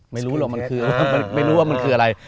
ไม่รู้ว่ามันคืออะไร